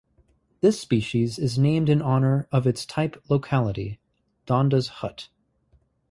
This species is named in honour of its type locality Dundas Hut.